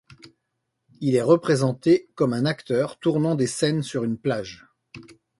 Il est représenté comme un acteur tournant des scènes sur une plage.